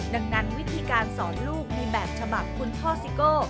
ดังนั้นวิธีการสอนลูกในแบบฉบับคุณพ่อซิโก้